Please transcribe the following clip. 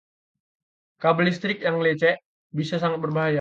Kabel listrik yang lecek bisa sangat berbahaya.